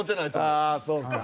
ああそうか。